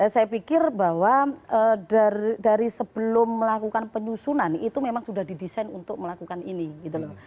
saya pikir bahwa dari sebelum melakukan penyusunan itu memang sudah didesain untuk melakukan ini gitu loh